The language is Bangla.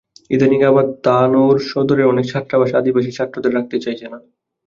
ইদানীং আবার তানোর সদরের অনেক ছাত্রাবাস আদিবাসী ছাত্রদের রাখতে চাইছে না।